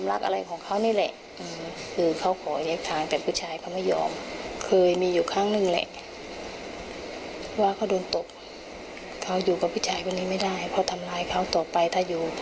แล้วก็พี่ชายกันเลยว่าไม่ได้เพราะทำลายเขาต่อไปถ้าอยู่